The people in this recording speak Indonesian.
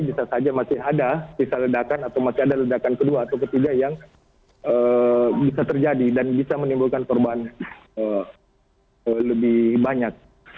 bisa saja masih ada sisa ledakan atau masih ada ledakan kedua atau ketiga yang bisa terjadi dan bisa menimbulkan korban lebih banyak